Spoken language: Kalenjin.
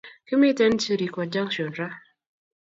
Kimiten sirikwa junction raa